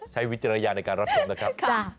วิจารณญาณในการรับชมนะครับ